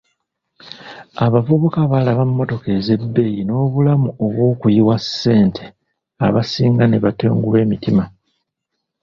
Abavubuka balaba mmotoka ez’ebbeeyi n’obulamu obw'okuyiwa ssente abasinga ne batengulwa emitima.